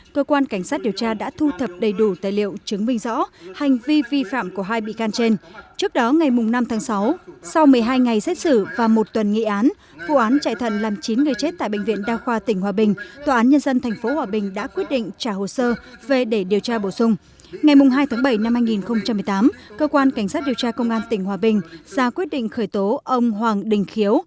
cơ quan cảnh sát điều tra công an tỉnh hòa bình vừa ra quyết định khởi tố hai bị can liên quan đến vụ án vô ý làm chết người thiếu trách nhiệm gây hậu quả nghiêm trọng trong sự cố y khoa làm chín người chết tại đơn nguyên thận nhân tạo khoa hồi sức tích cực bệnh viện đa khoa tỉnh hòa bình